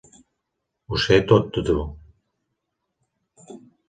Ho sé tot de tu.